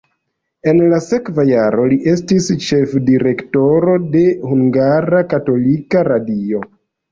En la sekva jaro li estis ĉefdirektoro de Hungara Katolika Radio.